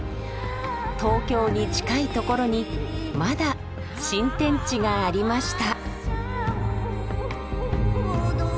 東京に近い所にまだ新天地がありました。